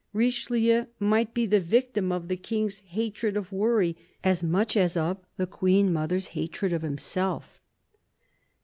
Richelieu might be the victim of the King's hatred of worry as much as of the Queen mother's hatred of himself.